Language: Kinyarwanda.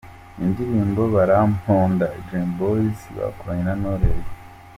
Indirimbo " Baramponda" Dream Boys bakoranye na Knowless.